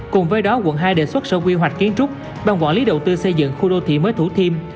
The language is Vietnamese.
cùng với đó quận hai đề xuất sở quy hoạch kiến trúc ban quản lý đầu tư xây dựng khu đô thị mới thủ thiêm